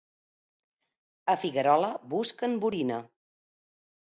A Figuerola busquen borina.